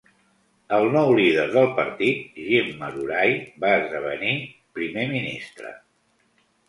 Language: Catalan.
El nou líder del partit, Jim Marurai, va esdevenir Primer Ministre.